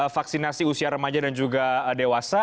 vaksinasi usia remaja dan juga dewasa